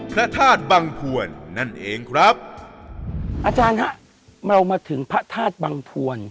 พระธาตุบังพวนนั่นเองครับอาจารย์ฮะเรามาถึงพระธาตุบังพวน